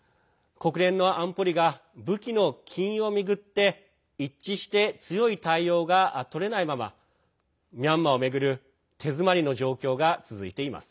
国連の安保理が武器の禁輸を巡って一致して強い対応がとれないままミャンマーを巡る手詰まりの状況が続いています。